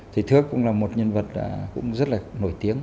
thì thước cũng là một nhân vật cũng rất là nổi tiếng